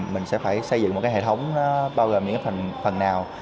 mình sẽ phải xây dựng một hệ thống bao gồm những phần nào